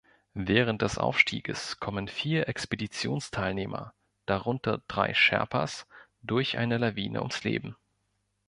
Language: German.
Während des Aufstieges kommen vier Expeditionsteilnehmer, darunter drei Sherpas, durch eine Lawine ums Leben.